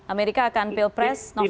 amerika akan pilpres november